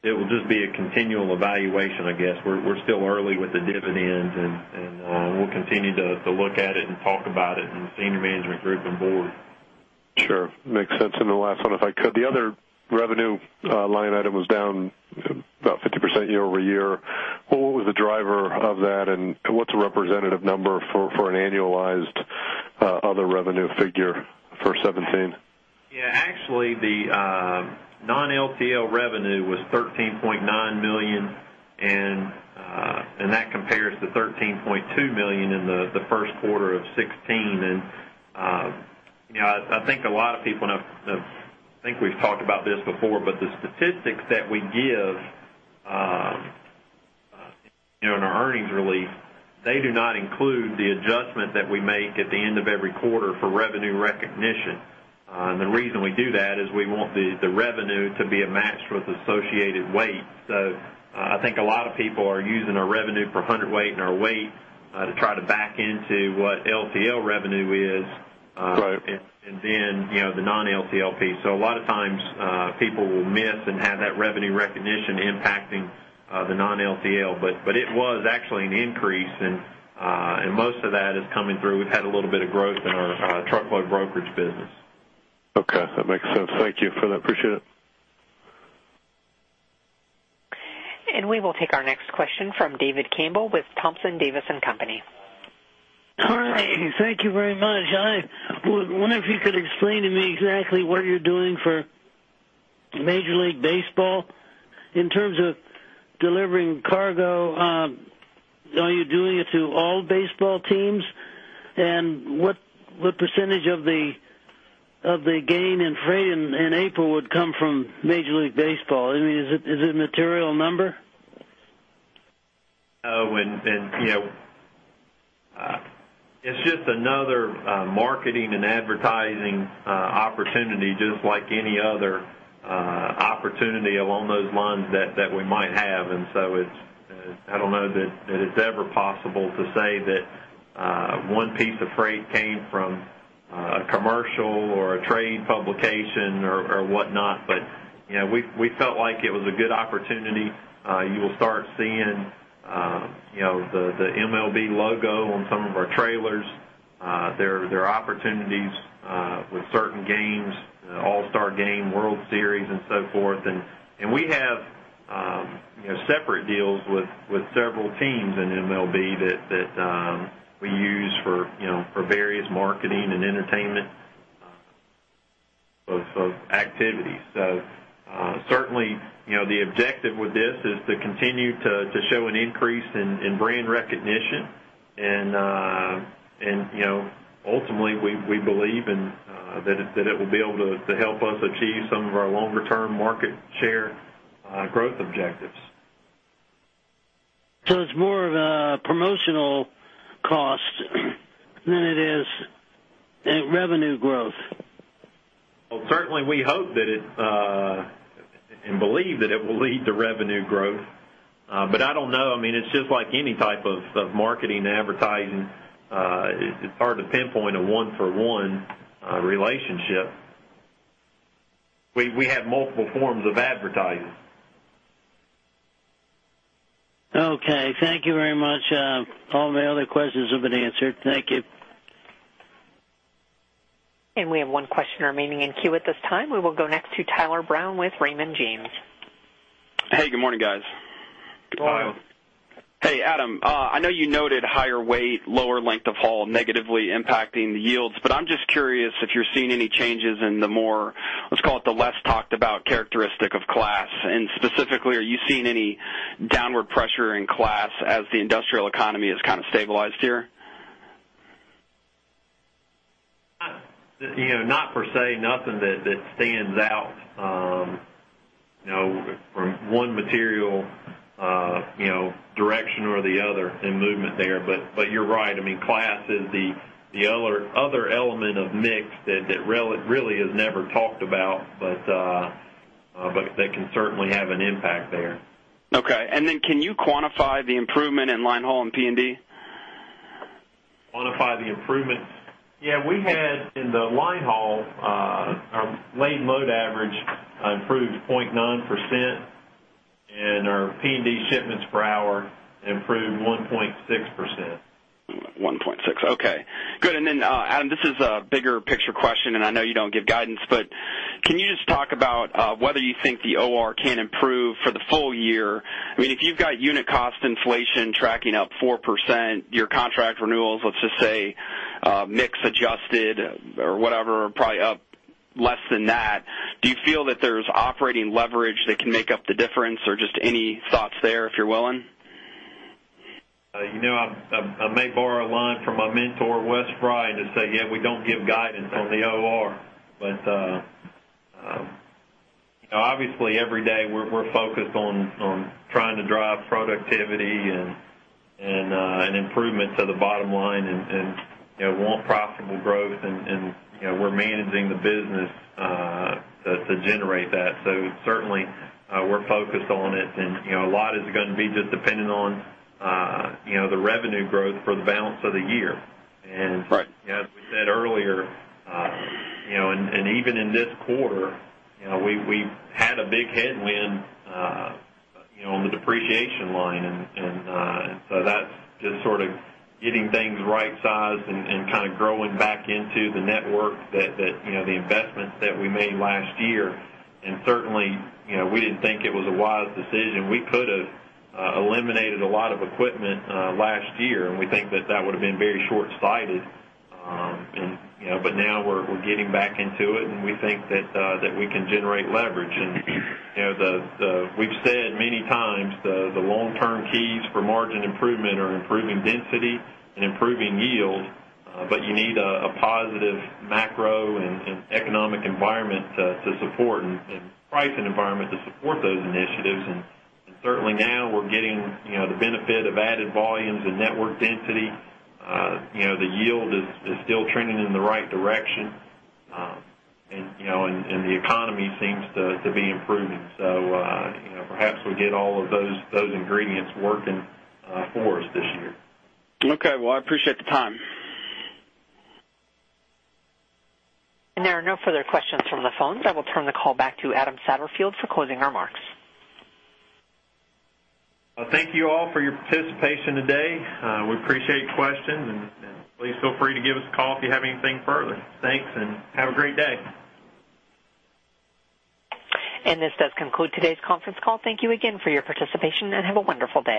Speaker 3: It will just be a continual evaluation, I guess. We're still early with the dividends, and we'll continue to look at it and talk about it in the senior management group and board.
Speaker 15: Sure. Makes sense. The last one, if I could. The other revenue line item was down about 50% year-over-year. What was the driver of that, and what's a representative number for an annualized other revenue figure for 2017?
Speaker 3: Yeah. Actually, the non-LTL revenue was $13.9 million, and that compares to $13.2 million in the first quarter of 2016. I think a lot of people, and I think we've talked about this before, but the statistics that we give in our earnings release, they do not include the adjustment that we make at the end of every quarter for revenue recognition. The reason we do that is we want the revenue to be a match with associated weight. I think a lot of people are using our revenue per hundredweight and our weight to try to back into what LTL revenue is-
Speaker 15: Right
Speaker 3: And then the non-LTL piece. A lot of times, people will miss and have that revenue recognition impacting the non-LTL. It was actually an increase, and most of that is coming through. We've had a little bit of growth in our truckload brokerage business.
Speaker 15: Okay. That makes sense. Thank you for that. Appreciate it.
Speaker 1: We will take our next question from David Campbell with Thompson, Davis & Company.
Speaker 16: Hi. Thank you very much. I wonder if you could explain to me exactly what you're doing for Major League Baseball in terms of delivering cargo. Are you doing it to all baseball teams? What % of the gain in freight in April would come from Major League Baseball? Is it a material number?
Speaker 3: No, it's just another marketing and advertising opportunity, just like any other opportunity along those lines that we might have. I don't know that it's ever possible to say that one piece of freight came from a commercial or a trade publication or whatnot. We felt like it was a good opportunity. You will start seeing the MLB logo on some of our trailers. There are opportunities with certain games, All-Star Game, World Series, and so forth. We have separate deals with several teams in MLB that we use for various marketing and entertainment activities. Certainly, the objective with this is to continue to show an increase in brand recognition. Ultimately, we believe that it will be able to help us achieve some of our longer-term market share growth objectives.
Speaker 16: It's more of a promotional cost than it is a revenue growth?
Speaker 3: Well, certainly, we hope that it, and believe that it will lead to revenue growth. I don't know. It's just like any type of marketing and advertising. It's hard to pinpoint a one-for-one relationship. We have multiple forms of advertising.
Speaker 16: Okay. Thank you very much. All my other questions have been answered. Thank you.
Speaker 1: We have one question remaining in queue at this time. We will go next to Tyler Brown with Raymond James.
Speaker 17: Hey, good morning, guys.
Speaker 3: Good morning.
Speaker 17: Hey, Adam. I know you noted higher weight, lower length of haul negatively impacting the yields. I'm just curious if you're seeing any changes in the more, let's call it the less talked about characteristic of class. Specifically, are you seeing any downward pressure in class as the industrial economy has kind of stabilized here?
Speaker 3: Not per se, nothing that stands out from one material direction or the other in movement there. You're right. Class is the other element of mix that really is never talked about, but that can certainly have an impact there.
Speaker 17: Okay. Can you quantify the improvement in line haul and P&D?
Speaker 3: Quantify the improvements? Yeah, we had in the line haul, our lane load average improved 0.9%. Our P&D shipments per hour improved 1.6%.
Speaker 17: Okay, good. Adam, this is a bigger picture question, and I know you don't give guidance, but can you just talk about whether you think the OR can improve for the full year? If you've got unit cost inflation tracking up 4%, your contract renewals, let's just say, mix adjusted or whatever, are probably up less than that. Do you feel that there's operating leverage that can make up the difference or just any thoughts there, if you're willing?
Speaker 3: I may borrow a line from my mentor, Wes Frye, to say, yeah, we don't give guidance on the OR. Obviously, every day, we're focused on trying to drive productivity and improvement to the bottom line, and want profitable growth, and we're managing the business to generate that. Certainly, we're focused on it, and a lot is going to be just dependent on the revenue growth for the balance of the year.
Speaker 17: Right.
Speaker 3: As we said earlier, and even in this quarter, we had a big headwind on the depreciation line. That's just sort of getting things right-sized and kind of growing back into the network that the investments that we made last year. Certainly, we didn't think it was a wise decision. We could've eliminated a lot of equipment last year, and we think that that would've been very short-sighted. Now we're getting back into it, and we think that we can generate leverage. We've said many times the long-term keys for margin improvement are improving density and improving yield, but you need a positive macro and economic environment to support and pricing environment to support those initiatives. Certainly now we're getting the benefit of added volumes and network density. The yield is still trending in the right direction. The economy seems to be improving. Perhaps we get all of those ingredients working for us this year.
Speaker 17: Okay. Well, I appreciate the time.
Speaker 1: There are no further questions from the phones. I will turn the call back to Adam Satterfield for closing remarks.
Speaker 3: Thank you all for your participation today. We appreciate your questions, and please feel free to give us a call if you have anything further. Thanks and have a great day.
Speaker 1: This does conclude today's conference call. Thank you again for your participation, and have a wonderful day.